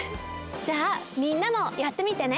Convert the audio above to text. じゃあみんなもやってみてね！